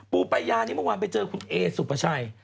ปูปายานี้เมื่อวานไปเจอคุณเอสุปชัย